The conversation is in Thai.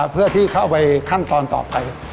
เพื่อที่เข้าไปขั้นตอนต่อไป